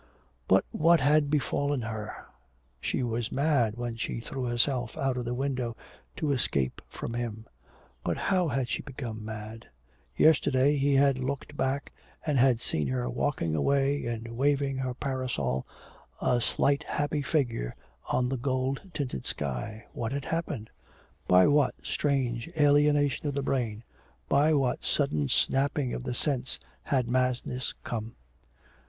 But what had befallen her? She was mad when she threw herself out of the window to escape from him. But how had she become mad? Yesterday he had looked back and had seen her walking away and waving her parasol, a slight happy figure on the gold tinted sky. What had happened? By what strange alienation of the brain, by what sudden snapping of the sense had madness come?